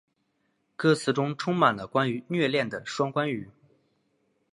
歌词中充满了关于虐恋的双关语。